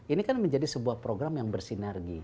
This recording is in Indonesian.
ini kan menjadi sebuah program yang bersinergi